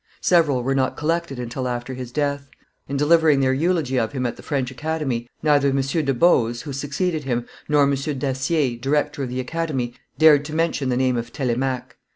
Several were not collected until after his death. In delivering their eulogy of him at the French Academy, neither M. de Boze, who succeeded him, nor M. Dacier, director of the Academy, dared to mention the name of Telemaque.